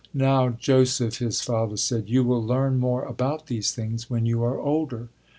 Now, Joseph, his father said, you will learn more about these things when you are older.